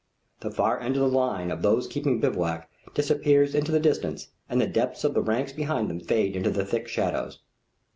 The far end of the line of those keeping bivouac disappears into the distance, and the depths of the ranks behind them fade into the thick shadows.